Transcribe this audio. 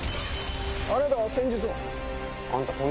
あなたは先日の。